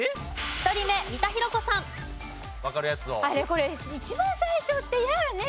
これ一番最初って嫌ね！